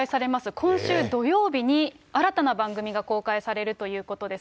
今週土曜日に、新たな番組が公開されるということです。